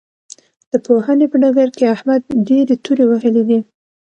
د پوهنې په ډګر کې احمد ډېرې تورې وهلې دي.